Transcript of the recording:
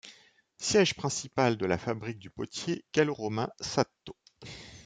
Siège principal de la fabrique du potier gallo-romain Satto.